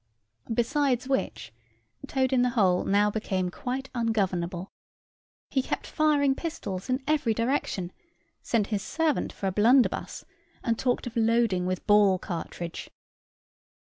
Besides which, Toad in the hole now became quite ungovernable. He kept firing pistols in every direction; sent his servant for a blunderbuss, and talked of loading with ball cartridge.